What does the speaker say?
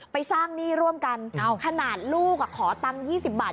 ไปสร้างหนี้ร่วมกันขนาดลูกอ่ะขอตังค์๒๐บาท